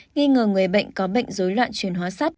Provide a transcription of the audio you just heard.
nghi ngờ người bệnh có bệnh dối loạn chuyển hóa sắp